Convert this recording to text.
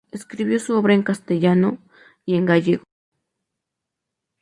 Escribió su obra en castellano y en gallego.